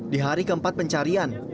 di hari keempat pencarian